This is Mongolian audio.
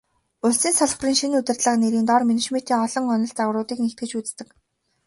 Улсын салбарын шинэ удирдлага нэрийн доор менежментийн олон онол, загваруудыг нэгтгэж үздэг.